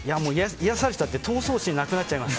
癒やされちゃって闘争心がなくなっちゃいます。